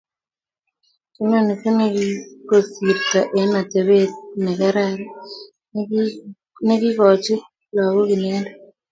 kinoni nekikosirto eng atebet ne kararan ne kikochi lakok inendet